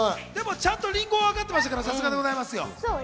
ちゃんとりんごは分かっていましたから、さすがでございますよ。